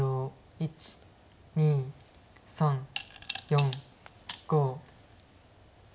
１２３４５。